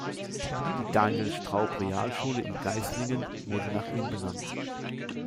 Die Daniel-Straub-Realschule in Geislingen wurde nach ihm benannt.